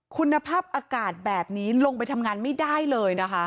คุณภาพอากาศแบบนี้ลงไปทำงานไม่ได้เลยนะคะ